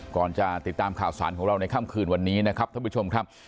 ก่อนจะติดตามข่าวสารของเราในค่ำคืนวันนี้นะครับท่านผู้ชมครับ